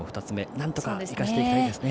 なんとか生かしていきたいですね。